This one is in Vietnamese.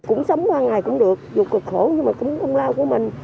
cũng sống qua ngày cũng được dù cực khổ nhưng mà cũng công lao của mình